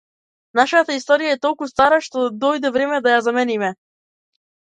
Нашата историја е толку стара што дојде време да ја замениме.